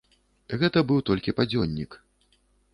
Гэта быў толькі падзённік.